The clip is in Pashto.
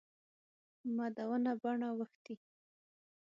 مدونه بڼه وښتي.